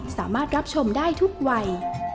สามารถรับชมได้ทุกวัย